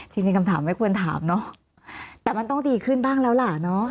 จริงจริงคำถามไม่ควรถามเนอะแต่มันต้องดีขึ้นบ้างแล้วล่ะเนอะ